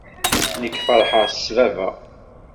Nekk feṛḥeɣ s baba.